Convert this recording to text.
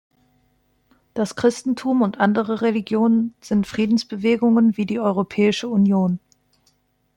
Das Christentum und andere Religionen sind Friedensbewegungen wie die Europäische Union.